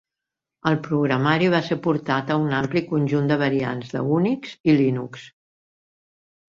El programari va ser portat a un ampli conjunt de variants de Unix i Linux.